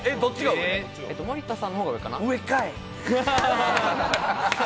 森田さんの方が上かな。